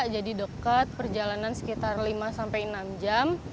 jadi deket perjalanan sekitar lima sampai enam jam